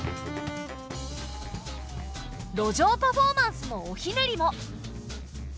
路上パフォーマンスのおひねりも。